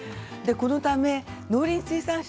このため農林水産省は